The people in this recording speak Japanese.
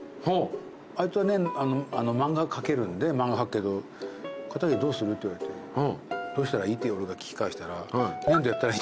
あいつは漫画描けるんで漫画描くけど「片桐どうする？」って言われて「どうしたらいい？」って俺が聞き返したら。